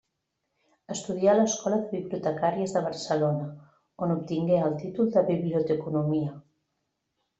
Estudià a l'Escola de Bibliotecàries de Barcelona, on obtingué el títol de Biblioteconomia.